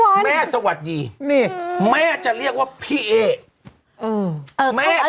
คือแม่สวัสดีแม่จะเรียกว่าพี่เอ